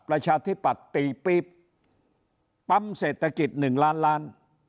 ประชาธิปัตย์ตีปี๊บปั๊มเศรษฐกิจ๑ล้านล้าน